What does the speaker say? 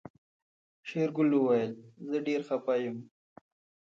شېرګل وويل زه ډېر خپه يم.